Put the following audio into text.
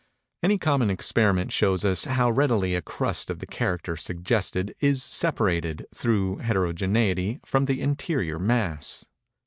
Any common experiment shows us how readily a crust of the character suggested, is separated, through heterogeneity, from the interior mass.